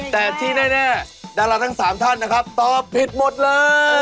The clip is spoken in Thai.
แต่ที่แน่ดาราทั้ง๓ท่านนะครับตอบผิดหมดเลย